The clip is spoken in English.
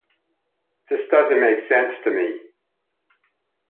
This doesn't make sense to me.